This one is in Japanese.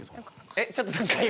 えっちょっと何か今？